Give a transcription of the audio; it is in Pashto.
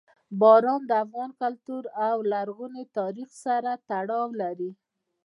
باران د افغان کلتور او لرغوني تاریخ سره تړاو لري.